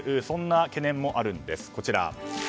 そんな懸念もあるんです。